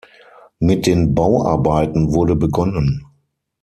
Mit den Bauarbeiten wurde begonnen.